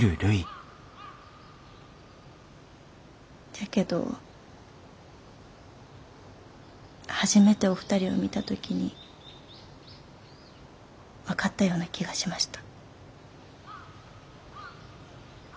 じゃけど初めてお二人を見た時に分かったような気がしました。